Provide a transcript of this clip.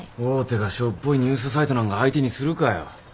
大手がしょっぼいニュースサイトなんか相手にするかよ。